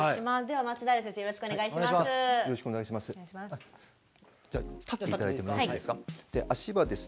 松平先生、よろしくお願いします。